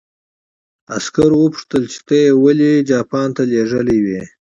عسکر وپوښتل چې ته یې ولې جاپان ته لېږلی وې